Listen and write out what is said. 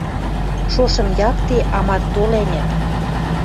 Шошым якте амат тол, ӓнят.